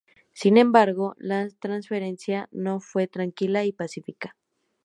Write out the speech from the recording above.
Sin embargo, la transferencia no fue tranquila y pacífica.